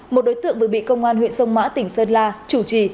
một đối tượng vừa bị công an huyện sông mã tỉnh sơn la chủ trì